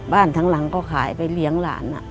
ทั้งหลังก็ขายไปเลี้ยงหลาน